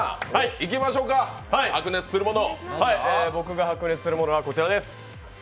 僕が白熱するものは、こちらです。